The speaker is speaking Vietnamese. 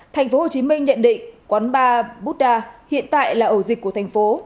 tp hcm nhận định quán bar buddha hiện tại là ổ dịch của thành phố